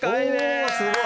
おすごい！